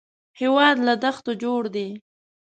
هېواد له دښتو جوړ دی